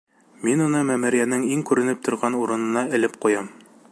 Мин уны мәмерйәнең иң күренеп торған урынына элеп ҡуям.